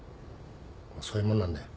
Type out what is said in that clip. そういうもんなんだよ。